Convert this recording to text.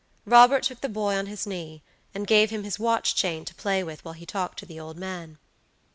Robert took the boy on his knee, and gave him his watch chain to play with while he talked to the old man.